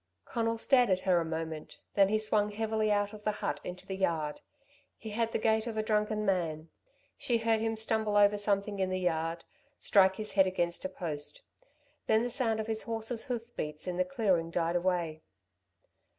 Conal stared at her a moment; then he swung heavily out of the hut into the yard. He had the gait of a drunken man. She heard him stumble over something in the yard, strike his head against a post. Then the sound of his horse's hoof beats in the clearing died away.